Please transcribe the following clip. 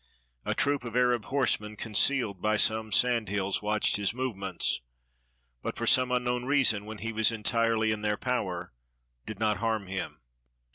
A troop of Arab horsemen, concealed by some sand hills, watched his movements, but for some unknown reason, when he was entirely in their power, did not harm him.